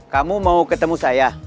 kamu mau ketemu saya